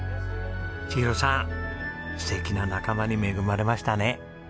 千尋さん素敵な仲間に恵まれましたね。